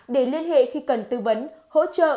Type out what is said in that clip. để liên hệ khi cần tư vấn hỗ trợ